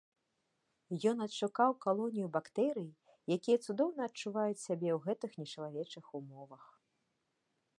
Ён адшукаў калонію бактэрый, якія цудоўна адчуваюць сябе ў гэтых нечалавечых умовах.